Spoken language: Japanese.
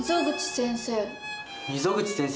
溝口先生。